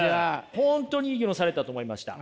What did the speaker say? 本当にいい議論されてたと思いました。